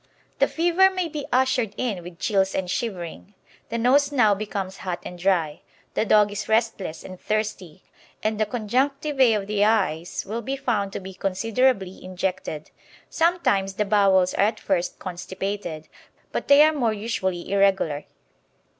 The fever may be ushered in with chills and shivering. The nose now becomes hot and dry, the dog is restless and thirsty, and the conjunctivae of the eyes will be found to be considerably injected. Sometimes the bowels are at first constipated, but they are more usually irregular.